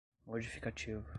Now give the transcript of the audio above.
modificativo